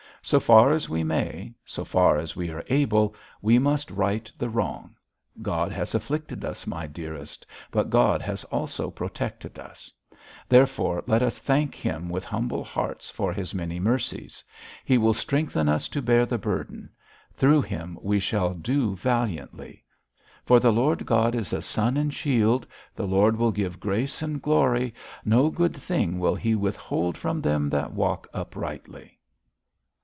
So far as we may so far as we are able we must right the wrong. God has afflicted us, my dearest; but God has also protected us; therefore let us thank Him with humble hearts for His many mercies. He will strengthen us to bear the burden; through Him we shall do valiantly. "For the Lord God is a sun and shield; the Lord will give grace and glory; no good thing will He withhold from them that walk uprightly."'